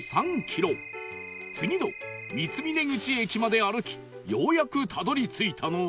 次の三峰口駅まで歩きようやくたどり着いたのは